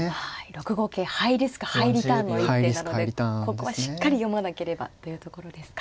６五桂ハイリスクハイリターンの一手なのでここはしっかり読まなければというところですか。